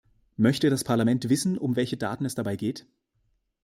Möchte das Parlament wissen, um welche Daten es dabei geht?